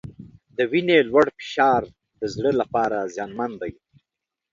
د وینې لوړ فشار د زړه لپاره زیانمن دی.